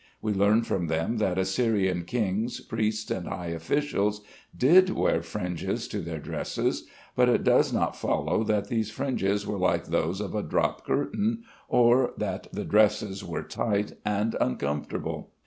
We learn from them that Assyrian kings, priests, and high officials did wear fringes to their dresses, but it does not follow that these fringes were like those of a drop curtain, or that the dresses were tight and uncomfortable.